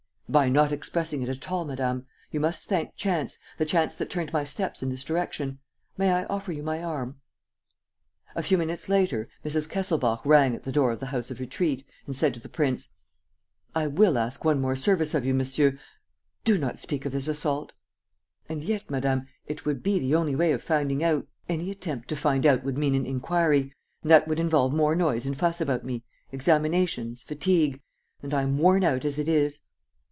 "By not expressing it at all, madame. You must thank chance, the chance that turned my steps in this direction. May I offer you my arm?" A few minutes later, Mrs. Kesselbach rang at the door of the House of Retreat and said to the prince: "I will ask one more service of you, monsieur. Do not speak of this assault." "And yet, madame, it would be the only way of finding out ..." "Any attempt to find out would mean an inquiry; and that would involve more noise and fuss about me, examinations, fatigue; and I am worn out as it is."